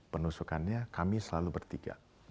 penusukannya kami selalu bertiga